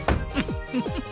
フフフ。